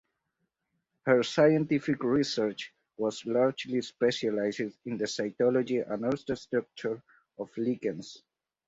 Her scientific research was largely specialized in the cytology and ultrastructure of lichens.